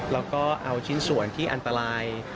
แล้วก็เอาชิ้นส่วนที่อันตราย